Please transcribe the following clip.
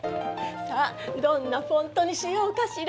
さあどんなフォントにしようかしら。